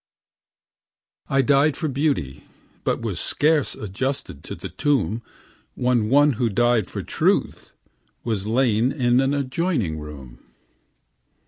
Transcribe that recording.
I died for beauty, but was scarce Adjusted in the tomb, When one who died for truth was lain In an adjoining room.